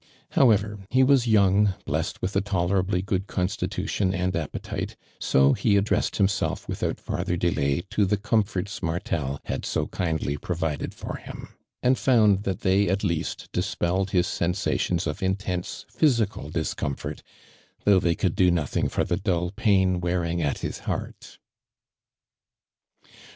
However, he was young, blessed with a tolerably good constitution and appetite, so he addressed himself without farther delay to the comforts Martel had so kindly f)rovided for him, and found that they at east dispelled his sensations of intense physical discomfort though they could do nothing for the dull pain wearing at his heart.